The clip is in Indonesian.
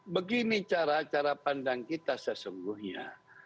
begini cara cara pandang kita sesungguhnya